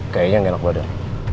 kayaknya gak enak banget